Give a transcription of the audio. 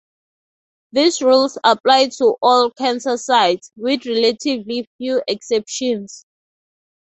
These rules apply to all cancer sites, with relatively few exceptions.